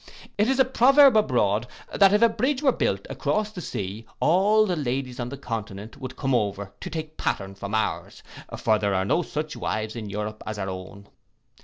'It is a proverb abroad, that if a bridge were built across the sea, all the ladies of the Continent would come over to take pattern from ours; for there are no such wives in Europe as our own.